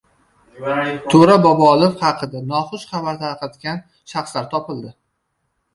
To‘ra Bobolov haqida noxush xabar tarqatgan shaxslar topildi